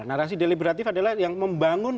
narasi deliberatif adalah yang membangun